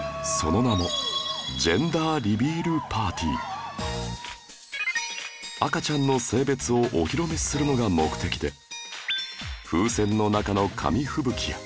その名も赤ちゃんの性別をお披露目するのが目的で風船の中の紙吹雪や